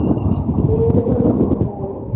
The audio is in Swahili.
Zimewekwa Msalabani